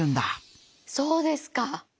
そうですか！